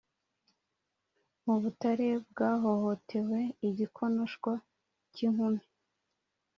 mubutare bwahohotewe igikonoshwa cyinkumi,